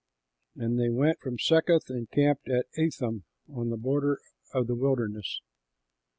And they went from Succoth and camped at Etham on the border of the wilderness.